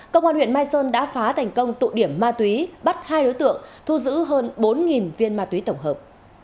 công an huyện mai sơn đã phá thành công tụ điểm ma túy bắt hai đối tượng thu giữ hơn bốn viên ma túy tổng hợp